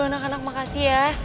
anak anak makasih ya